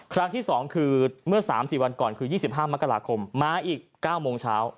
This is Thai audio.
ครั้งที่๒คือเมื่อ๓๔วันก่อนคือ๒๕มกราคมมาอีก๙โมงเช้า